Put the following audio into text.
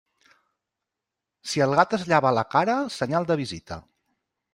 Si el gat es llava la cara, senyal de visita.